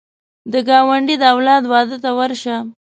د ګاونډي د اولاد واده ته ورشه